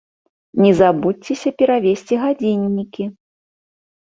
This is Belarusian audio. Не забудзьцеся перавесці гадзіннікі!